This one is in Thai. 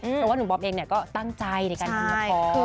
เพราะว่านุ่มบอมเองก็ตั้งใจในการการรับพอด